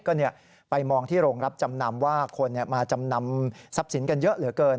ก็ไปมองที่โรงรับจำนำว่าคนมาจำนำทรัพย์สินกันเยอะเหลือเกิน